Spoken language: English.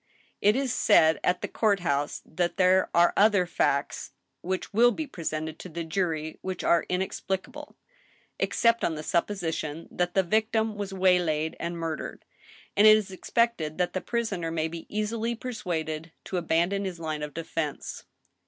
" It is said at the court house that there are other facts which will be presented to the jury which are inexplicable, except on the supposition that the victim was waylaid and murdered ; and it is expected that the prisoner may be easily persuaded to abandon his line of defense.